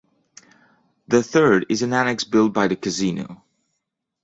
The third is an annex built by the casino.